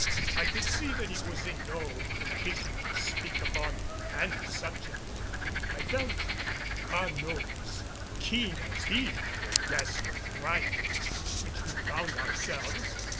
I could see that he was in no condition to speak upon any subject. I felt, God knows, keen as he the desperate plight in which we found ourselves.